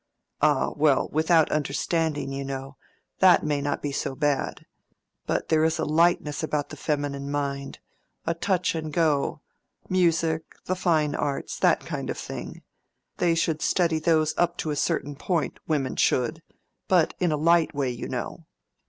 "Ah, well, without understanding, you know—that may not be so bad. But there is a lightness about the feminine mind—a touch and go—music, the fine arts, that kind of thing—they should study those up to a certain point, women should; but in a light way, you know.